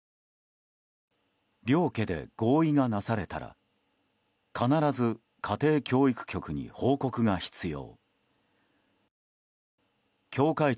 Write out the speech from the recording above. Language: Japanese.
両家で合意がなされたら必ず家庭教育局に報告が必要。